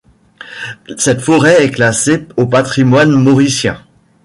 Cette forêt est classée au patrimoine mauricien.